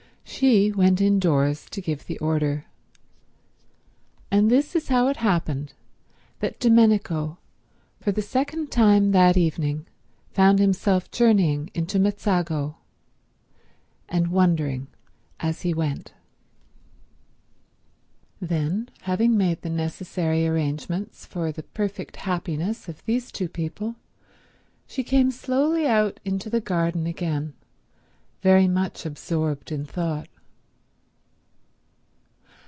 She went indoors to give the order; and this is how it happened that Domenico, for the second time that evening, found himself journeying into Mezzago and wondering as he went. Then, having made the necessary arrangements for the perfect happiness of these two people, she came slowly out into the garden again, very much absorbed in thought.